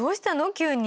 急に。